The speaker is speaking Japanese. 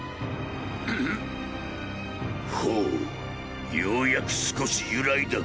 ほうようやく少し揺らいだか